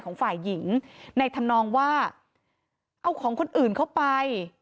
ของฝ่ายหญิงในธรรมนองว่าเอาของคนอื่นเข้าไป